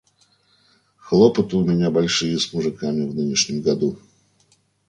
Хлопоты у меня большие с мужиками в нынешнем году.